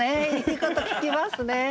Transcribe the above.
いいこと聞きますね。